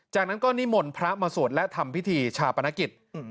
จากนั้นก็นิมนต์พระมาสวดและทำพิธีชาปนกิจ